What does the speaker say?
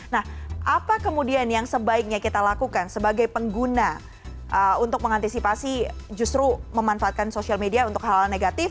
nah apa kemudian yang sebaiknya kita lakukan sebagai pengguna untuk mengantisipasi justru memanfaatkan sosial media untuk hal hal negatif